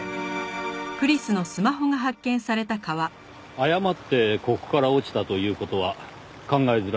誤ってここから落ちたという事は考えづらいですねぇ。